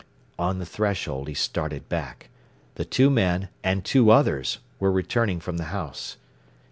On the threshold he started back. The two men, and two others, were returning from the house.